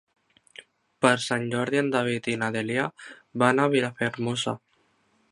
Per Sant Jordi en David i na Dèlia van a Vilafermosa.